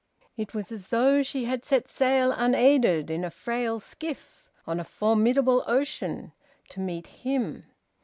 It was as though she had set sail unaided, in a frail skiff, on a formidable ocean, to meet him.